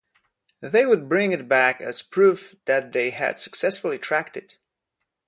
They would bring it back as proof that they had successfully tracked it.